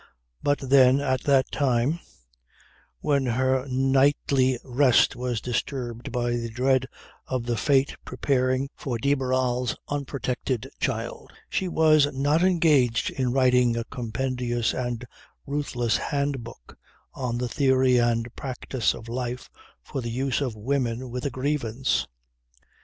But then, at that time, when her nightly rest was disturbed by the dread of the fate preparing for de Barral's unprotected child, she was not engaged in writing a compendious and ruthless hand book on the theory and practice of life, for the use of women with a grievance.